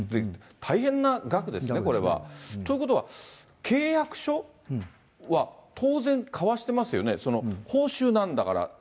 大変な額ですね、これは。ということは、契約書は当然交わしてますよね、報酬なんだから。